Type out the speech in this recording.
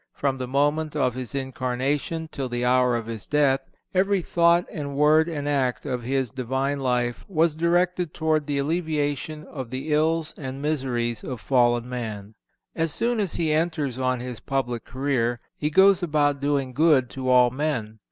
From the moment of His incarnation till the hour of His death every thought and word and act of His Divine life was directed toward the alleviation of the ills and miseries of fallen man. As soon as He enters on His public career He goes about doing good to all men.